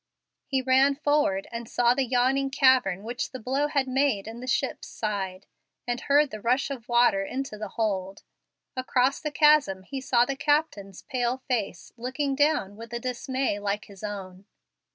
He ran forward and saw the yawning cavern which the blow had made in the ship's side, and heard the rush of water into the hold. Across the chasm he saw the captain's pale face looking down with a dismay like his own.